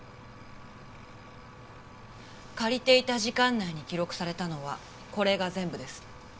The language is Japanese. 借りていた時間内に記録されたのはこれが全部です。